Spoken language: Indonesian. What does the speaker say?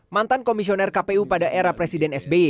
mantan komisioner kpu pada era presiden sby